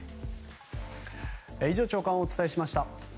以上、朝刊をお伝えしました。